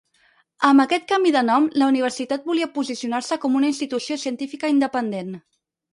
Amb aquest canvi de nom, la universitat volia posicionar-se com una institució científica independent.